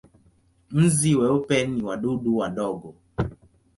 Nzi weupe ni wadudu wadogo.